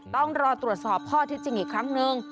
ต้องรอตรวจสอบข้อที่จริงอีกครั้งนึง